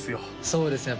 そうですね